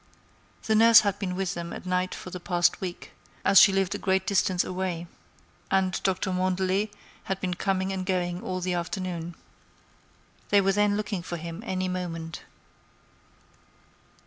The nurse had been with them at night for the past week, as she lived a great distance away. And Dr. Mandelet had been coming and going all the afternoon. They were then looking for him any moment.